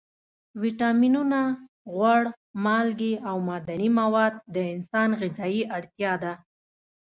ویټامینونه، غوړ، مالګې او معدني مواد د انسان غذایي اړتیا ده.